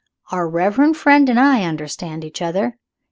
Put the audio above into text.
Our reverend friend and I understand each other.